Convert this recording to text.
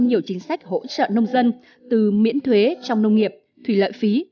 nhiều chính sách hỗ trợ nông dân từ miễn thuế trong nông nghiệp thủy lợi phí